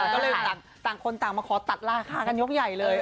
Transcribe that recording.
ก็เลยต่างคนต่างมาขอตัดราคากันยกใหญ่เลย